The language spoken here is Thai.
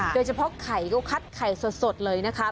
โดยเฉพาะไข่ก็คัดไข่สดเลยนะคะ